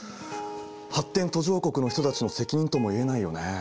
発展途上国の人たちの責任とも言えないよね。